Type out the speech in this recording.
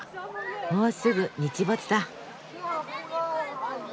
もうすぐ日没だ。